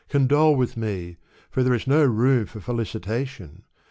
condole with me ; for there is no room for felicitation.